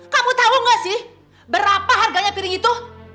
kamu tau gak sih berapa harganya piring itu